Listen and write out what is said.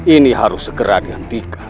ini harus segera dihentikan